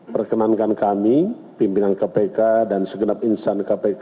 perkenankan kami pimpinan kpk dan segenap insan kpk